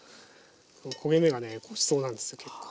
焦げ目がねごちそうなんですよ結構。